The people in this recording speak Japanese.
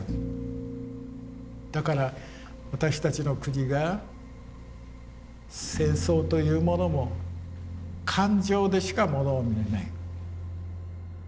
だから私たちの国が戦争というものも感情でしかものを見れない。